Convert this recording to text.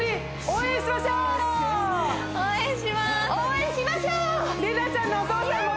応援しましょう！